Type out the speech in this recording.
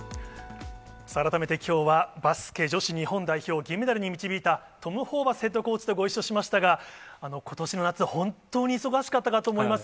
改めてきょうは、バスケ女子日本代表を銀メダルに導いた、トム・ホーバスヘッドコーチとご一緒しましたが、ことしの夏、本当に忙しかったかと思います。